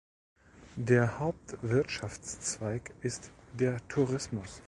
Der Hauptwirtschaftszweig ist der Tourismus.